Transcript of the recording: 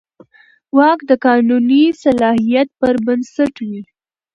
واک د قانوني صلاحیت پر بنسټ وي.